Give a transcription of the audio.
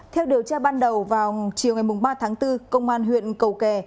theo điều tra ban đầu vào chiều ngày ba tháng bốn công an huyện cầu kè